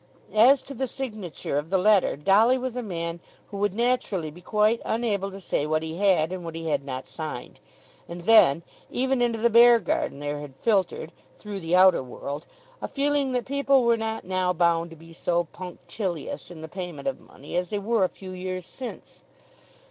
As to the signature of the letter, Dolly was a man who would naturally be quite unable to say what he had and what he had not signed. And then, even into the Beargarden there had filtered, through the outer world, a feeling that people were not now bound to be so punctilious in the paying of money as they were a few years since.